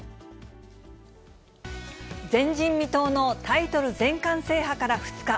前人未到のタイトル全冠制覇から２日。